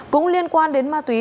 cũng liên quan đến ma túy